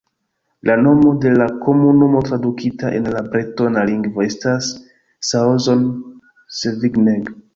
La nomo de la komunumo tradukita en la bretona lingvo estas "Saozon-Sevigneg".